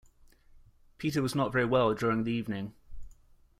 Peter was not very well during the evening.